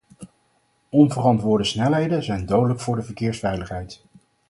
Onverantwoorde snelheden zijn dodelijk voor de verkeersveiligheid.